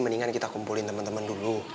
mendingan kita kumpulin temen temen dulu